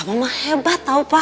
eh pak mama hebat tau pak